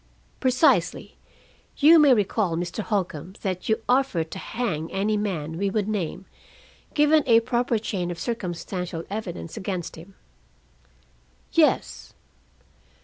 "Precisely. You may recall, Mr. Holcombe, that you offered to hang any man we would name, given a proper chain of circumstantial evidence against him?" "Yes."